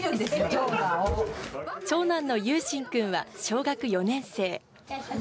長男の優心君は小学４年生。